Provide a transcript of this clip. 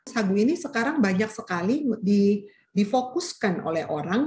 sagu ini sekarang banyak sekali difokuskan oleh orang